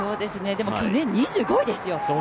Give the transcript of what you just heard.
でも去年２５位ですよ。